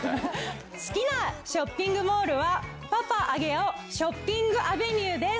好きなショッピングモールは、パパ上尾ショッピングアヴェニューです。